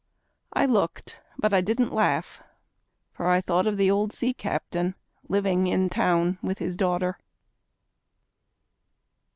I looked, but I didn't laugh, For I thought of the old sea captain living in town with his daughter.